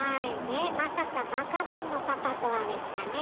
ねっまさかバカボンのパパとはでしたね。